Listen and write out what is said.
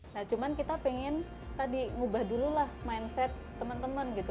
nah cuman kita pengen tadi ngubah dulu lah mindset teman teman gitu